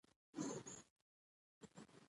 تاریخ د زمانې شاهد دی.